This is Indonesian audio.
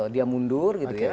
dia mundur gitu ya